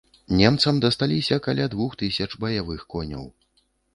Немцам дасталіся каля двух тысяч баявых коняў.